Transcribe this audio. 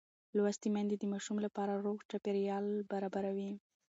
لوستې میندې د ماشوم لپاره روغ چاپېریال برابروي.